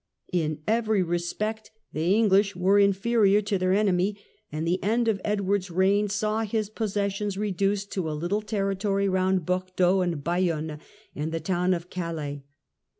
In every respect the English were inferior to their enemy, and the end of Edward's reign saw his possessions reduced to a little ^."gi'/'i territory round Bordeaux and Bayonne, and the town of Calais.